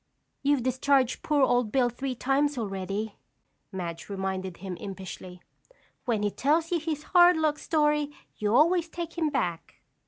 "You've discharged poor old Bill three times already," Madge reminded him impishly. "When he tells you his hard luck story, you always take him back."